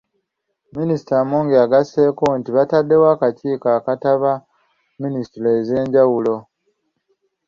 Minisita Amongi agasseeko nti bataddewo akakiiko akataba minisitule ez'enjawulo